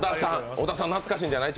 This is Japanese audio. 小田さん、懐かしいんじゃない？